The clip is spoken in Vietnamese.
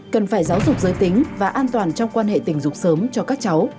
cần phải giáo dục giới tính và an toàn trong quan hệ tình dục sớm cho các cháu